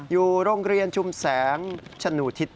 อยู่โรงเรียนชุมแสงชนูทิศ